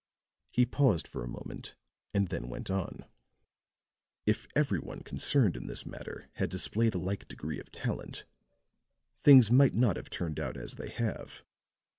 He paused for a moment and then went on: "If every one concerned in this matter had displayed a like degree of talent, things might not have turned out as they have.